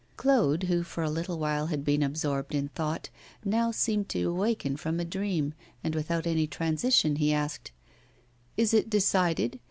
Claude, who for a little while had been absorbed in thought, now seemed to awaken from a dream, and without any transition he asked: 'Is it decided?